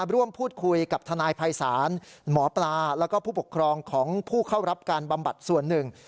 ร่วมพูดคุยกับทนายภัยศาลหมอปลาแล้วก็ผู้ปกครองของผู้เข้ารับการบำบัดส่วนหนึ่ง